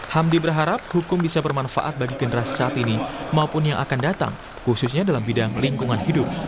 hamdi berharap hukum bisa bermanfaat bagi generasi saat ini maupun yang akan datang khususnya dalam bidang lingkungan hidup